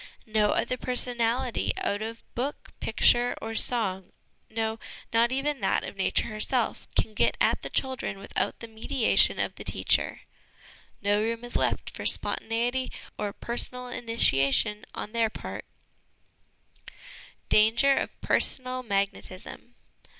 No other personality out of book, picture, or song, no, not even that of Nature herself, can get at the children without the mediation of the teacher. No room is left for spontaneity or personal initiation on their part Danger of Personal Magnetism.